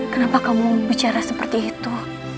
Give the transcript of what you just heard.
kenapa kamu bicara seperti itu